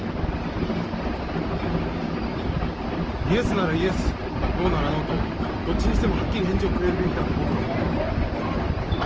イエスならイエスノーならノーとどっちにしてもはっきり返事をくれるべきだと僕は思うけどね。